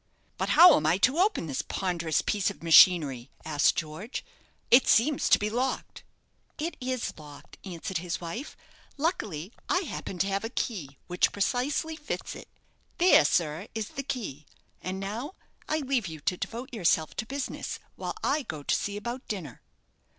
"But how am I to open this ponderous piece of machinery?" asked George. "It seems to be locked." "It is locked," answered his wife. "Luckily I happen to have a key which precisely fits it. There, sir, is the key; and now I leave you to devote yourself to business, while I go to see about dinner."